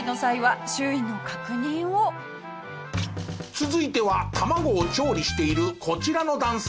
続いては卵を調理しているこちらの男性。